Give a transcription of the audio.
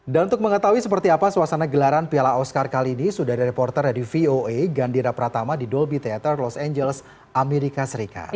dan untuk mengetahui seperti apa suasana gelaran piala oscar kali ini sudah ada reporter dari voa gandhira pratama di dolby theater los angeles amerika serikat